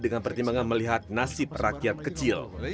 dengan pertimbangan melihat nasib rakyat kecil